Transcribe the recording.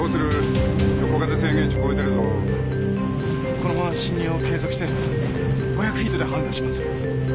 このまま進入を継続して５００フィートで判断します。